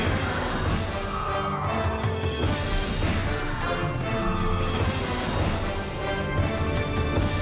สวัสดีครับ